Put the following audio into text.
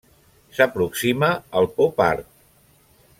S'aproxima al Pop-art.